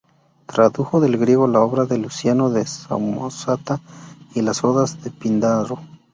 Tradujo del griego la obra de Luciano de Samosata y las "Odas" de Píndaro.